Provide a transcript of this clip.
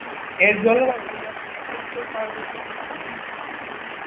এর জলবায়ু নাতিশীতোষ্ণ পার্বত্য প্রকৃতির।